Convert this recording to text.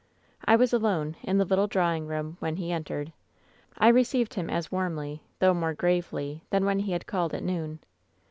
"I was alone, in the little drawing room, when he en tered. I received him as warmly, though more gravely, than when he had called at noon.